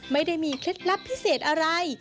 ไม่ได้มีเคล็ดลับพิเศษอะไร